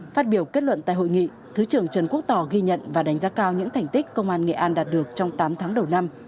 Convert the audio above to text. phát biểu kết luận tại hội nghị thứ trưởng trần quốc tỏ ghi nhận và đánh giá cao những thành tích công an nghệ an đạt được trong tám tháng đầu năm